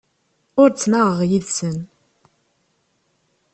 Ur ttnaɣeɣ yid-sen.